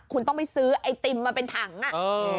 คุณต้องไปซื้อไอติมมาเป็นถังอ่ะ